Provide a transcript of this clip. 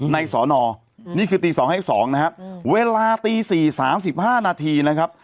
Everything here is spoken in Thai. ในสอนอนี่คือตี๒๕๒นะฮะเวลาตี๔๓๕นาทีนะครับ